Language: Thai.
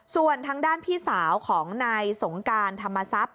ส่วนทางด้านพี่สาวของนายสงการธรรมทรัพย